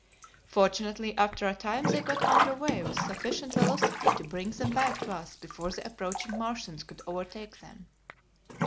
Fortunately after a time they got under way with sufficient velocity to bring them back to us before the approaching Martians could overtake them.